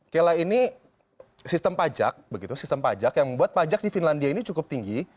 kela ini sistem pajak yang membuat pajak di finlandia ini cukup tinggi